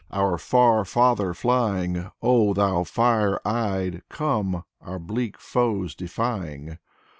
Our far father flying, Oh, thou fire eyed, come, Our bleak foes defying.